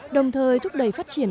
đồng thời thúc đẩy phát triển